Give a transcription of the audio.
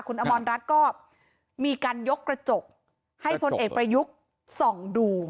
คุณอมรรัฐก็มีการยกกระจกให้พลเอกประยุทธ์ส่องดู